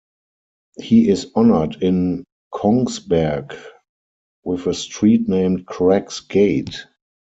He is honored in Kongsberg with a street named Krags gate.